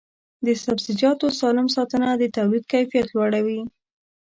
د سبزیجاتو سالم ساتنه د تولید کیفیت لوړوي.